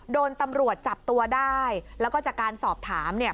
โดนตำรวจจับตัวได้แล้วก็จากการสอบถามเนี่ย